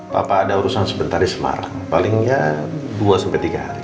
papa ada urusan sebentar di semarang paling nggak dua sampai tiga hari